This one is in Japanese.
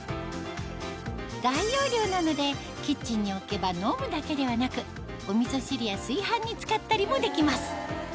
大容量なのでキッチンに置けば飲むだけではなくおみそ汁や炊飯に使ったりもできます